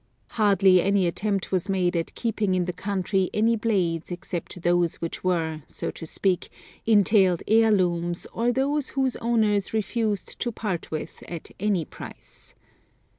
Hardly any attempt was made at keeping in the country any blades except those which were, so to speak, entailed heirlooms or those whose owners refused to part with at any price.